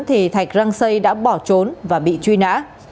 thì thạch răng xây đã bỏ trốn và bị truy nã